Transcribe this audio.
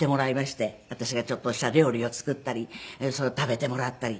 私がちょっとした料理を作ったりそれを食べてもらったり。